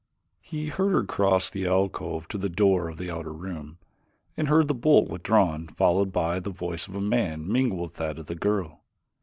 He heard her cross the alcove to the door of the outer room, and heard the bolt withdrawn followed by the voice of a man mingled with that of the girl.